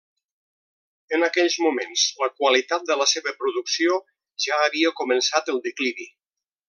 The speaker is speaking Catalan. En aquells moments la qualitat de la seva producció ja havia començat el declivi.